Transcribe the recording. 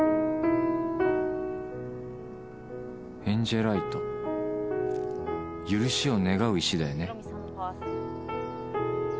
「エンジェライト」「許しを願う石だよね」